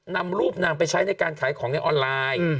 นำรูปนางไปใช้ในการขายของในออนไลน์